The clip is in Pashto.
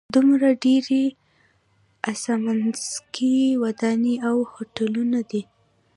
دومره ډېرې اسمانڅکي ودانۍ او هوټلونه دي.